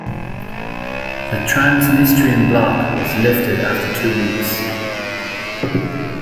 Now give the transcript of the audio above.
The Transnistrian block was lifted after two weeks.